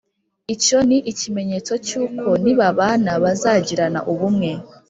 icyo ni ikimenyetso cy uko nibabana bazagirana ubumwe